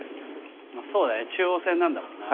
そうだね中央線なんだもんな。